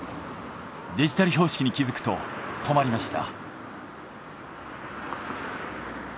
デジタル標識に気づくと止まりました。